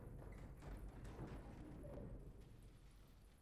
এ প্রতিষ্ঠানটি স্টিল ও খনিজ দ্রব্য উৎপাদনের সাথে জড়িত।